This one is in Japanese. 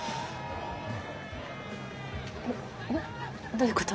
どういうこと？